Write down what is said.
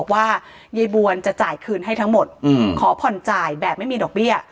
ว่ายายบวนจะจ่ายคืนให้ทั้งหมดขอผ่อนจ่ายแบบไม่มีดอกเบี้ย